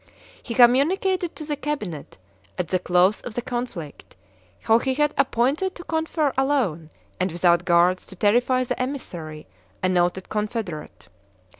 He communicated to the Cabinet, at the close of the conflict, how he had appointed to confer alone and without guards to terrify the emissary, a noted Confederate.